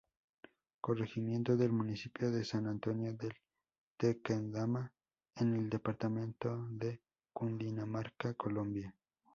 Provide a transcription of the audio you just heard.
Corregimiento del Municipio de San Antonio del Tequendama en el departamento de Cundinamarca, Colombia.